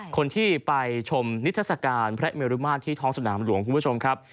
คนที่ไปชมนิทัศกาลพระเมรุมาตรที่ท้องสนามหลวงคุณผู้ชมครับ